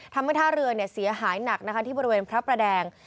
ทำให้ท่าเรือเสียหายหนักนะคะที่บริเวณพระประแดง